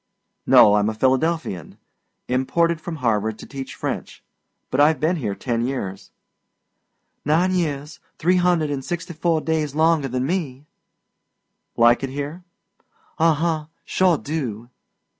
"No, I'm a Philadelphian. Imported from Harvard to teach French. But I've been here ten years." "Nine years, three hundred an' sixty four days longer than me." "Like it here?" "Uh huh. Sure do!"